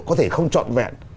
có thể không trọn vẹn